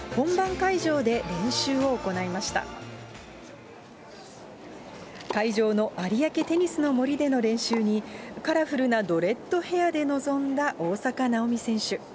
会場の有明テニスの森での練習に、カラフルなドレッドヘアで臨んだ大坂なおみ選手。